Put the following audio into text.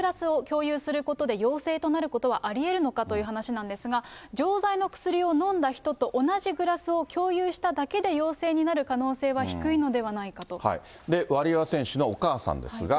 同じグラスを共有することで、陽性となることはありえるのかという話なんですが、錠剤の薬を飲んだ人と同じグラスを共有しただけで陽性になる可能ワリエワ選手のお母さんです